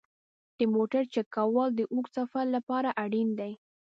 د موټر چک کول د اوږده سفر لپاره اړین دي.